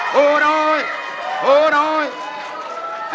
โหหน่อยโหหน่อย